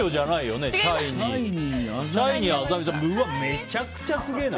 めちゃくちゃすげえな。